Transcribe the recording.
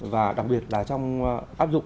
và đặc biệt là trong áp dụng